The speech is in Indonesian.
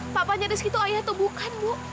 papanya rizky tuh ayah tuh bukan bu